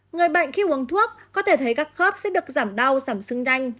người bệnh khi uống thuốc có thể thấy các khớp sẽ được giảm đau giảm sưng đanh